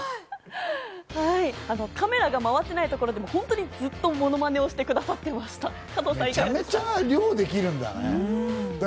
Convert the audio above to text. カメラが回ってないところで本当にずっと、ものまねをしてくださってました。